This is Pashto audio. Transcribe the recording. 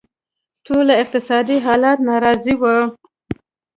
ټول له اقتصادي حالت ناراضه وو.